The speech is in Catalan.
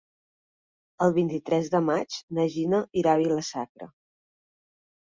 El vint-i-tres de maig na Gina irà a Vila-sacra.